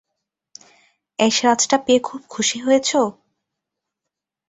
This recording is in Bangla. এসরাজটা পেয়ে খুব খুশি হয়েছ?